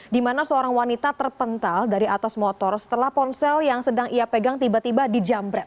di mana seorang wanita terpental dari atas motor setelah ponsel yang sedang ia pegang tiba tiba dijambret